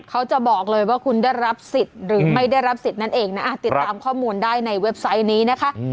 เขาจะบอกเลยว่าคุณได้รับสิทธิ์หรือไม่ได้รับสิทธิ์นั่นเองนะติดตามข้อมูลได้ในเว็บไซต์นี้นะคะ